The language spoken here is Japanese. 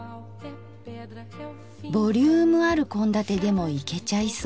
ボリュームある献立でもいけちゃいそう。